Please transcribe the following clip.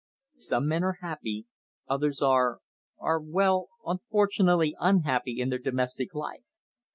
"Some men are happy, others are are, well, unfortunately unhappy in their domestic life.